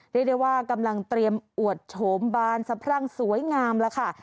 เรียกได้ว่ากำลังเตรียมอวดโฉมบานสะพรั่งสวยงามแล้วค่ะ